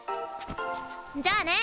じゃあね！